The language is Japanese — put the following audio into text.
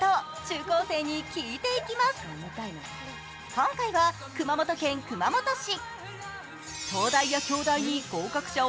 今回は熊本県熊本市。